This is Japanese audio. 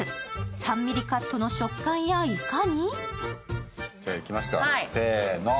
３ｍｍカットの食感はいかに？